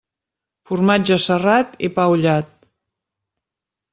Formatge serrat i pa ullat.